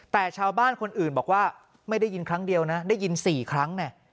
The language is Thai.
แต่ชาวบ้านคนอื่นบอกว่าไม่ได้ยินครั้งเดียวนะได้ยิน๔ครั้ง